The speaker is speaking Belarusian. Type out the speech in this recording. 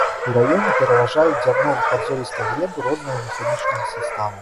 У раёне пераважаюць дзярнова-падзолістыя глебы рознага механічнага саставу.